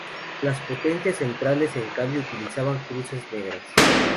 Las potencias centrales, en cambio, utilizaban cruces negras.